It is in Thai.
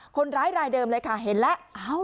คนร้ายรายเดิมเลยค่ะเห็นแล้ว